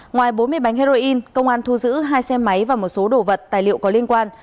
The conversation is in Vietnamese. ngoài bốn mươi bánh heroin công an thu giữ hai xe máy và một số đồ vật tài liệu có liên quan